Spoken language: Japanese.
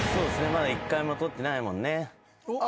まだ１回も取ってないもんね。